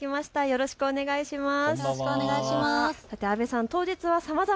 よろしくお願いします。